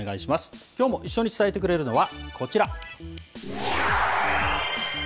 きょうも一緒に伝えてくれるのはこちら。